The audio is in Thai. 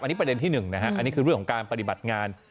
อันนี้ประเด็นที่๑นะฮะอันนี้คือเรื่องของการปฏิบัติงาน